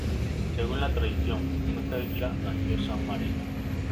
Según la tradición, en esta isla nació San Marino.